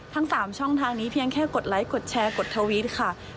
ทั้ง๓ช่องทางนี้เพียงแค่กดไลคดแชร์กดทวิตค่ะ